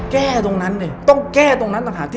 แก้ตรงนั้นดิต้องแก้ตรงนั้นต่างหากที่